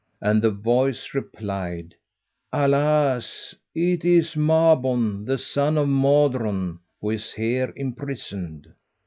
And the voice replied, "Alas, it is Mabon, the son of Modron, who is here imprisoned!"